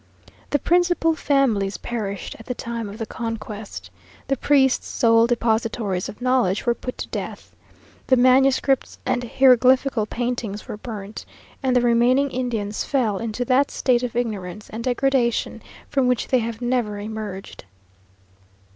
The principal families perished at the time of the conquest. The priests, sole depositaries of knowledge, were put to death; the manuscripts and hieroglyphical paintings were burnt, and the remaining Indians fell into that state of ignorance and degradation, from which they have never emerged.